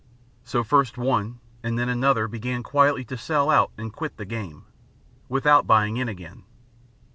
So first one and then another began quietly to sell out and quit the game, without buying in again.